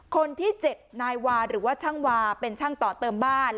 คนที่๗นายวาหรือว่าช่างวาเป็นช่างต่อเติมบ้าน